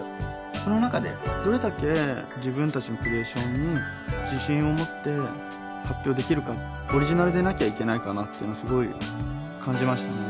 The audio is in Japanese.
その中でどれだけ自分達のクリエイションに自信を持って発表できるかオリジナルでなきゃいけないかなっていうのはすごい感じましたね